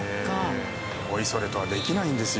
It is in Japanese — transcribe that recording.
おいそれとはできないんですよ。